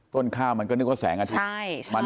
ต้นข้าวมันก็นึกว่าแสงอาทิตย์